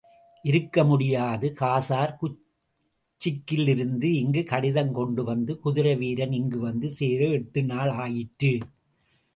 இருக்கமுடியாது coarser குச்சிக்கிலிருந்து இங்கு கடிதம் கொண்டு வந்த குதிரை வீரன் இங்குவந்து சேர எட்டுநாள் ஆயிற்று.